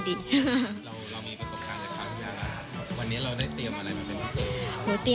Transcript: มันก็จะมีข้าวโหม๒ถูกนะคะ